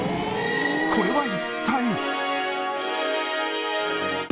これは一体？